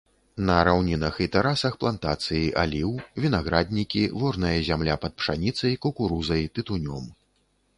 На раўнінах і тэрасах плантацыі аліў, вінаграднікі, ворная зямля пад пшаніцай, кукурузай, тытунём.